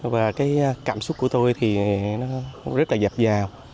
và cái cảm xúc của tôi thì rất là dạp dào